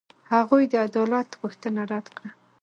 هغوی د عدالت غوښتنه رد کړه.